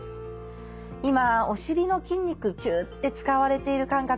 今お尻の筋肉キュッて使われている感覚